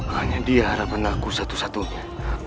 hanya dia harapan aku satu satunya